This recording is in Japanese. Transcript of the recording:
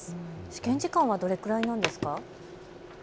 試験時間はどれくらいなんですか。